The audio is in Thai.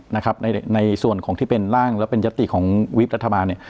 ในส่วนของที่เป็นร่างและเป็นยศติของวิทย์รัฐบาล